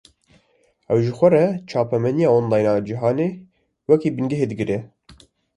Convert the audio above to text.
Ew, ji xwe re çapemeniya online a cîhanê, wekî bingeh digre